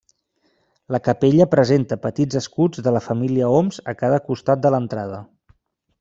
La capella presenta petits escuts de la família Oms a cada costat de l'entrada.